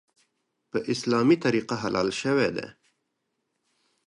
په اسلامي طریقه حلال شوی دی .